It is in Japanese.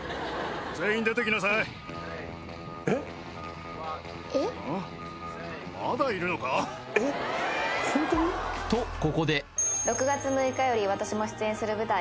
全員出てきなさいとここで６月６日より私も出演する舞台